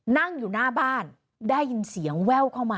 นั่งอยู่หน้าบ้านได้ยินเสียงแว่วเข้ามา